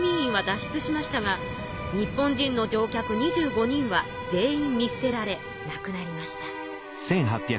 しゅつしましたが日本人の乗客２５人は全員見すてられなくなりました。